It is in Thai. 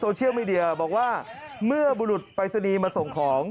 ตรงโซเชียลมีเดียบอกว่าเมื่อบุรุษไปซะดีมาส่งของ